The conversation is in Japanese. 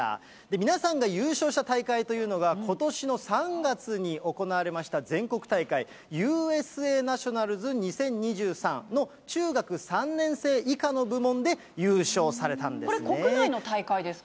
皆さんが優勝した大会というのが、ことしの３月に行われました全国大会、ＵＳＡナショナルズ２０２３の中学３年生以下の部門で優勝されたこれ、国内の大会ですか？